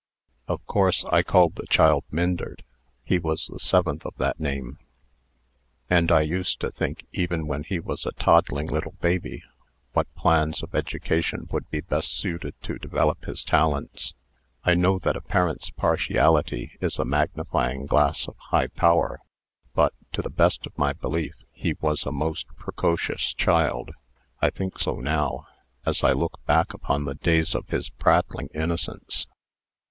"Of course, I called the child Myndert. He was the seventh of that name; and I used to think, even when he was a toddling little baby, what plans of education would be best suited to develop his talents. I know that a parent's partiality is a magnifying glass of high power; but, to the best of my belief, he was a most precocious child. I think so now, as I look back upon the days of his prattling innocence.